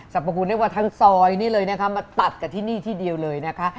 สรรพพุทธให้ว่าทั้งซอยนี้เลยมาตัดกับที่นี่ทีเดียวเลยนะคะ